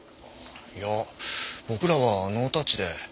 いや僕らはノータッチで。